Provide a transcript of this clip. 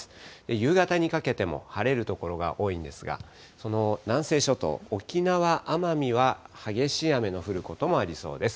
夕方にかけても晴れる所が多いんですが、その南西諸島、沖縄・奄美は激しい雨の降ることもありそうです。